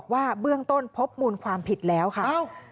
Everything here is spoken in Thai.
ว่าเบื้องต้นพบมูลความผิดแล้วค่ะ